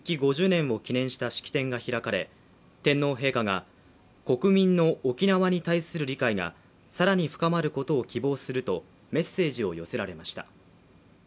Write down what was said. ５０年を記念した式典が開かれ天皇陛下が国民の沖縄に対する理解が更に深まることを希望するとメッセージを寄せられました。